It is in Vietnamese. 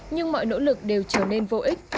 nhưng mọi nỗ lực đều trở nên vô ích